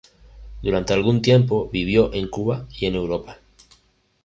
Durante algún tiempo vivió en Cuba y en Europa.